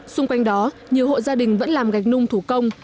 xung quanh đó nhiều hộ gia đình vẫn làm gạch nung thủ công